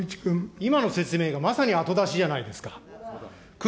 今の説明がまさに後出しじゃないですか。